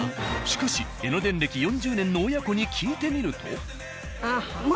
［しかし江ノ電歴４０年の親子に聞いてみると］